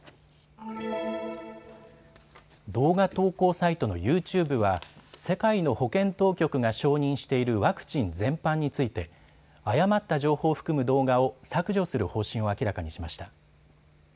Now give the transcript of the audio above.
動画投稿サイトのユーチューブは世界の保健当局が承認しているワクチン全般について誤った情報を含む動画を削除する方針を明らかにしました。